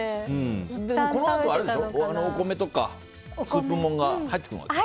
このあとお米とかスープもんが入ってくるんでしょ？